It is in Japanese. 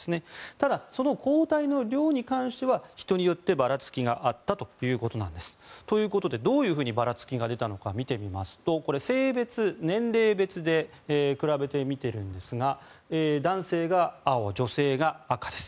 ただ、その抗体の量に関しては人によってばらつきがあったということなんです。ということで、どういうふうにばらつきが出たのか見ていきますとこれ、性別、年齢別で比べて見ているんですが男性が青、女性が赤です。